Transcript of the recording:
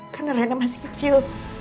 karena rena masih kecil